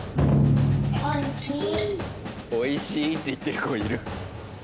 おいしいって言ってる子いる。